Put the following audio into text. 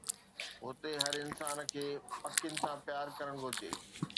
هتي هر انسان کي پکين سان پيار ڪرڻ گهرجي.